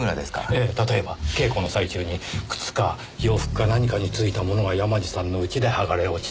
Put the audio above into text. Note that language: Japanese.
ええ例えば稽古の最中に靴か洋服か何かに付いたものが山路さんの家ではがれ落ちた。